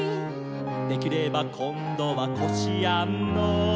「できればこんどはこしあんの」